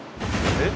えっ？